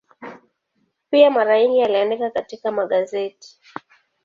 Pia mara nyingi aliandika katika magazeti.